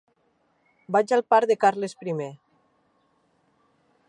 Vaig al parc de Carles I.